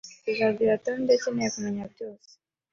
Tuzabwira Tom ibyo akeneye kumenya byose